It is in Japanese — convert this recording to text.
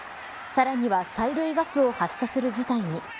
さらには催涙ガスを発射する事態に。